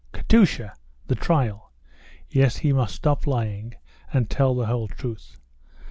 "Katusha the trial!" Yes, he must stop lying and tell the whole truth.